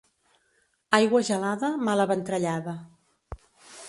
Aigua gelada, mala ventrellada.